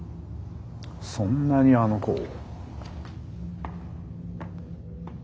そんなにあの子を。